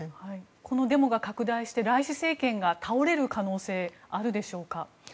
このデモが拡大してライシ政権が倒れる可能性、あるでしょうか。